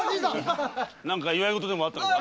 何か祝い事でもあったのか？